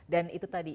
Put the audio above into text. dan itu tadi